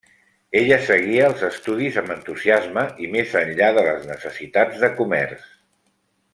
Ella seguia els estudis amb entusiasme i més enllà de les necessitats de comerç.